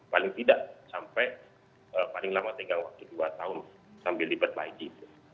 paling tidak sampai paling lama tinggal waktu dua tahun sambil diperbaiki